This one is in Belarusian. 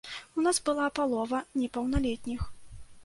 У нас была палова непаўналетніх.